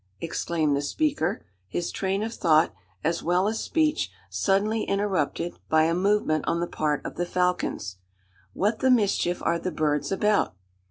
exclaimed the speaker, his train of thought, as well as speech, suddenly interrupted by a movement on the part of the falcons. "What the mischief are the birds about?